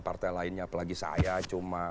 partai lainnya apalagi saya cuma